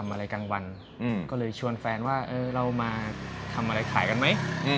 อะไรกลางวันก็เลยชวนแฟนว่าเรามาทำอะไรขายกันไหม